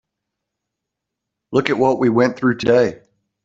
Look at what we went through today.